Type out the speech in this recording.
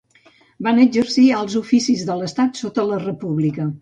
Van exercir alts oficis de l'estat sota la república.